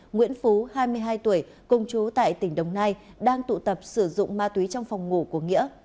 nguyễn phú hai mươi hai tuổi công chú tại tỉnh đồng nai đang tụ tập sử dụng ma túy trong phòng ngủ của nghĩa